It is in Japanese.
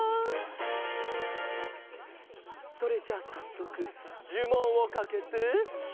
それじゃあさっそくじゅもんをかけて。